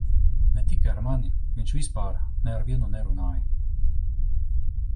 Ne tikai ar mani - viņš vispār ne ar vienu nerunāja.